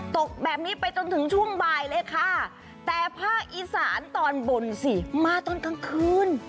ตกแบบนี้ไปจนถึงช่วงบ่ายเลยค่ะแต่ภาคอีสานตอนบนสิมาตอนกลางคืน